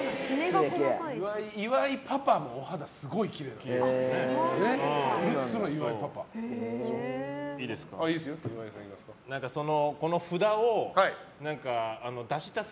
岩井パパもお肌がすごいきれいなんです。